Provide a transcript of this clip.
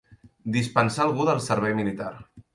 Dispensar algú del servei militar.